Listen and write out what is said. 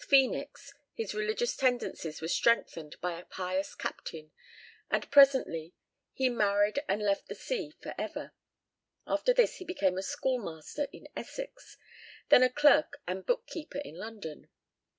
M.S. 'Phoenix,' his religious tendencies were strengthened by a pious captain, and presently he married and left the sea for ever. After this he became a schoolmaster in Essex, then a clerk and book keeper in London.